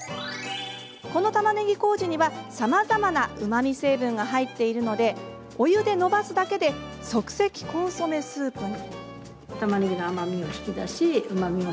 このたまねぎこうじにはさまざまなうまみ成分が入っているのでお湯でのばすだけで即席コンソメスープに。